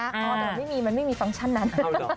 อ๋อแต่ว่าไม่มีมันไม่มีฟังก์ชันนั้น